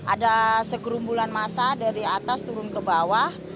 ada segerumbulan masa dari atas turun ke bawah